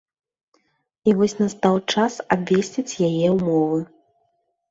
І вось настаў час абвесціць яе ўмовы.